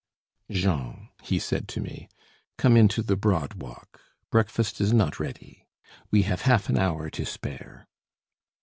"Jean," he said to me, "come into the broad walk. Breakfast is not ready. We have half an hour to spare."